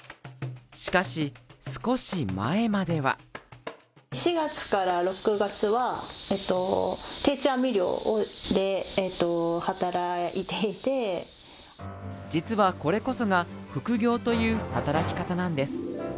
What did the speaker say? しかし少し前までは実はこれこそが複業という働き方なんです